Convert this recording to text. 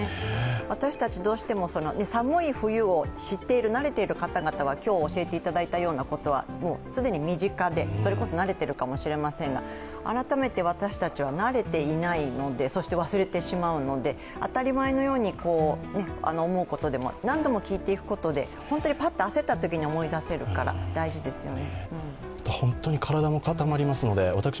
私たち、どうしても寒い冬を知っている、慣れている方々は今日教えていただいたようなことは既に身近でそれこそ慣れてるかもしれませんが改めて私たちは慣れていないので、そして忘れてしまうので、当たり前のように思うことでも何度も聞いていくことで本当にパッと焦ったときに思い出せるから大事ですよね。